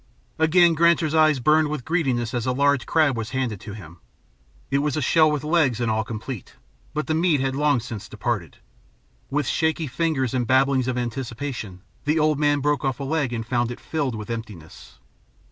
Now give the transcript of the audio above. Again Granser's eyes burned with greediness as a large crab was handed to him. It was a shell with legs and all complete, but the meat had long since departed. With shaky fingers and babblings of anticipation, the old man broke off a leg and found it filled with emptiness.